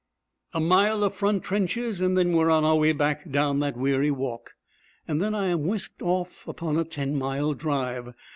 A mile of front trenches and then we are on our way back down that weary walk. Then I am whisked off upon a ten mile drive.